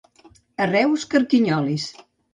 A Reus, carquinyolis.